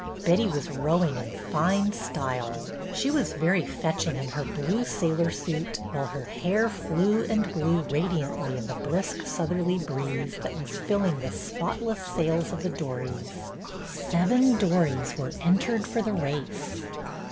Betty was rowing in fine style. She was very fetching in her blue sailor suit, while her hair flew and blew radiantly in the brisk southerly breeze that was filling the spotless sails of the dories. Seven dories were entered for the race.